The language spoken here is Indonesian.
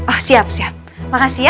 oh siap siap makasih ya